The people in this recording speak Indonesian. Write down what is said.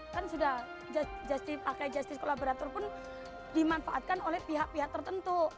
kan sudah pakai justice collaborator pun dimanfaatkan oleh pihak pihak tertentu